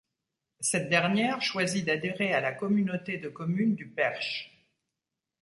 Cette dernière choisit d'adhérer à la communauté de communes du Perche.